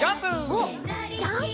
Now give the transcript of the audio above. おっジャンプ！